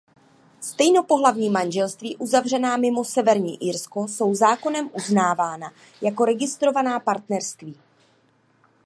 Stejnopohlavní manželství uzavřená mimo Severní Irsko jsou zákonem uznávána jako registrovaná partnerství.